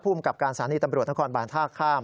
ภูมิกับการสารณีตำรวจทางคอนบาลท่าข้าม